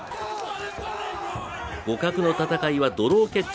互角の戦いはドロー決着。